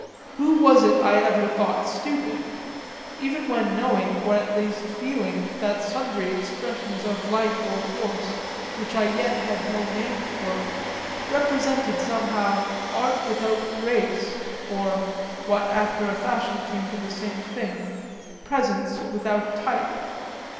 Who was it I ever thought stupid? even when knowing, or at least feeling, that sundry expressions of life or force, which I yet had no name for, represented somehow art without grace, or (what after a fashion came to the same thing) presence without type.